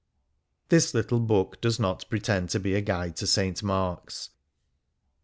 This little book does not pretend to be a guide to St. Mark's.